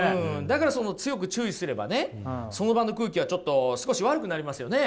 だからその強く注意すればねその場の空気はちょっと少し悪くなりますよね？